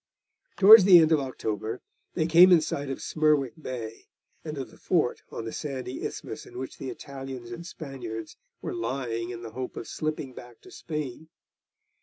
Towards the end of October they came in sight of Smerwick Bay, and of the fort on the sandy isthmus in which the Italians and Spaniards were lying in the hope of slipping back to Spain.